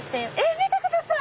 見てください！